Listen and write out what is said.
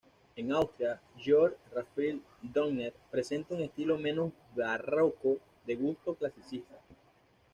En Austria Georg Raphael Donner presenta un estilo menos barroco de gusto clasicista.